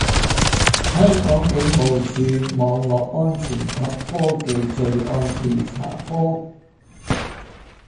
香港警務處網絡安全及科技罪案調查科